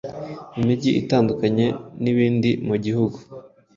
imigi itandukanye n’ibindi mugihugu